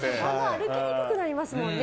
歩きにくくなりますもんね。